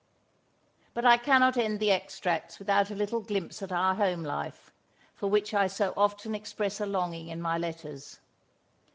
But I cannot end the extracts without a little glimpse at our home life, for which I so often express a longing in my letters.